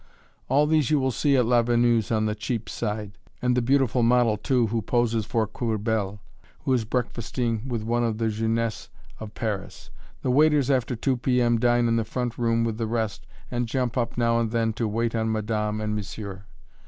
All these you will see at Lavenue's on the "cheap side" and the beautiful model, too, who poses for Courbel, who is breakfasting with one of the jeunesse of Paris. The waiters after 2 P.M. dine in the front room with the rest, and jump up now and then to wait on madame and monsieur.